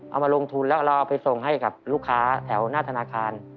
เอามาลงทุนแล้วเราเอาไปส่งให้กับลูกค้าแถวหน้าธนาคาร